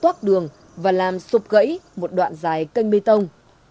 nó đã phá đất đường và làm sụp gãy một đoạn dài canh bê tông